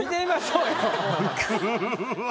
うわ！